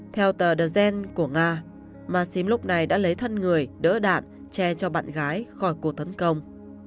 theo tờ the zen của nga maxim lúc này đã lấy thân người đỡ đạn che cho bạn gái khỏi cuộc thấn công